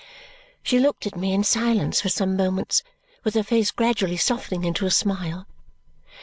She looked at me in silence for some moments, with her face gradually softening into a smile.